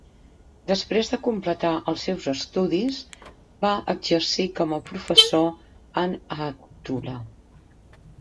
Després de completar els seus estudis, va exercir com a professor en Hattula.